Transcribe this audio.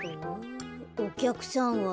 おきゃくさんは？